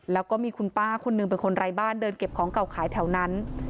แล้วก็มีคุณป้าคนหนึ่งเป็นคนไร้บ้านเดินเก็บของเก่าขายแถวนั้น